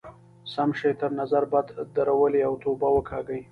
سم شی تر نظر بد درولئ او توبې وکاږئ.